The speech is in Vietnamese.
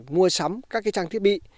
mua sắm các cái trang thiết bị